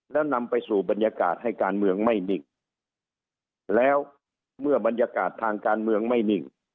แล้วนำไปสู่บรรยากาศให้การเมืองไม่นิ่งแล้วเมื่อบรรยากาศทางการเมืองไม่นิ่ง